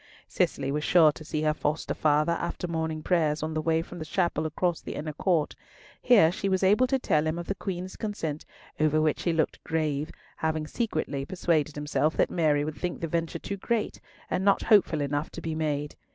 Cicely was sure to see her foster father after morning prayers on the way from the chapel across the inner court. Here she was able to tell him of the Queen's consent, over which he looked grave, having secretly persuaded himself that Mary would think the venture too great, and not hopeful enough to be made.